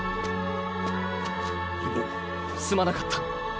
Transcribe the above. すまなかった。